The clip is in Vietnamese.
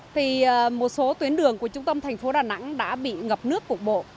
thì một số tuyến đường của trung tâm thành phố đà nẵng đã bị ngập nước cục bộ